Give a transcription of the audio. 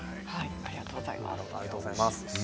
ありがとうございます。